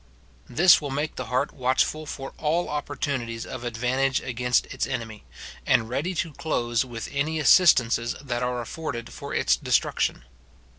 This will make the heart watchful for all opportunities of advantage against its enemy, and ready to close with any assistances that are afforded for its destruction.